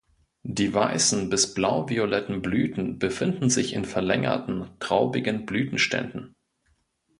Die weißen bis blauvioletten Blüten befinden sich in verlängerten, traubigen Blütenständen.